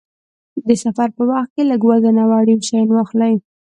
د سفر په وخت کې لږ وزن او اړین شیان واخلئ.